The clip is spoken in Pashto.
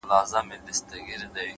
د پيغورونو په مالت کي بې ريا ياري ده،